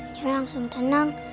dia langsung tenang